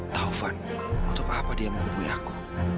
taufan untuk apa dia menghubungi aku